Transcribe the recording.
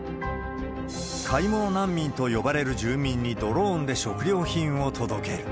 買い物難民と呼ばれる住民にドローンで食料品を届ける。